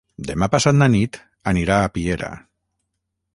Demà passat na Nit anirà a Piera.